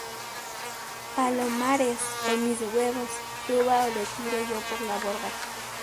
palomares, por mis huevos, suba o le tiro yo por la borda.